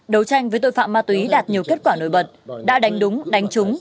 đấu tranh với tội phạm ma túy đạt nhiều kết quả nổi bật đã đánh đúng đánh trúng